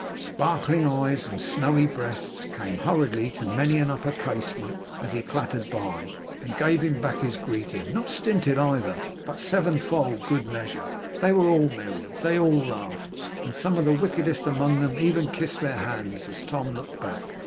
Sparkling eyes and snowy breasts came hurriedly to many an upper casement as he clattered by, and gave him back his greeting: not stinted either, but sevenfold, good measure. They were all merry. They all laughed. And some of the wickedest among them even kissed their hands as Tom looked back.